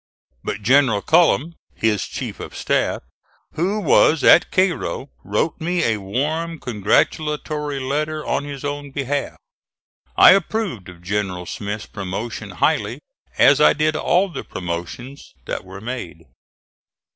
But General Cullum, his chief of staff, who was at Cairo, wrote me a warm congratulatory letter on his own behalf. I approved of General Smith's promotion highly, as I did all the promotions that were made.